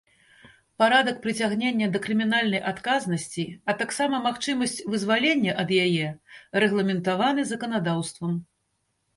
Парадак прыцягнення да крымінальнай адказнасці, а таксама магчымасць вызвалення ад яе рэгламентаваны заканадаўствам.